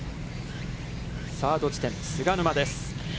サード地点、菅沼です。